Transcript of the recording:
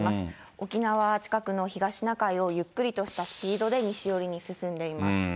沖縄近くの東シナ海を、ゆっくりとしたスピードで西寄りに進んでいます。